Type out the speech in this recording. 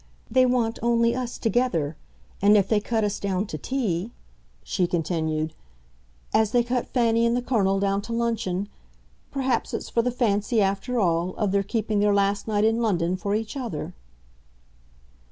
They want only us together; and if they cut us down to tea," she continued, "as they cut Fanny and the Colonel down to luncheon, perhaps it's for the fancy, after all, of their keeping their last night in London for each other."